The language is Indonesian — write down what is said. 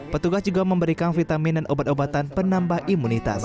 petugas juga memberikan vitamin dan obat obatan penambah imunitas